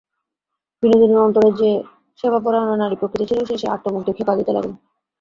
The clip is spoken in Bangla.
বিনোদিনীর অন্তরে যে সেবাপরায়ণা নারীপ্রকৃতি ছিল, সে সেই আর্ত মুখ দেখিয়া কাঁদিতে লাগিল।